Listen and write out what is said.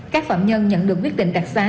các phạm nhân nhận được quyết định đặc xá